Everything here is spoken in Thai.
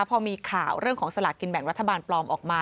พอมีข่าวเรื่องของสลากกินแบ่งรัฐบาลปลอมออกมา